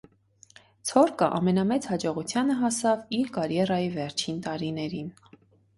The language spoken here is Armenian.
Ցորկը ամենամեծ հաջողությանը հասավ իր կարիերայի վերջին տարիներին։